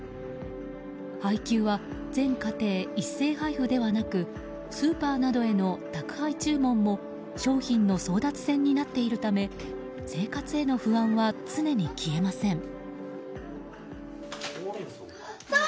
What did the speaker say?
配給は、全家庭一斉配布ではなくスーパーなどへの宅配注文も商品の争奪戦になっているため生活への不安は常に消えません。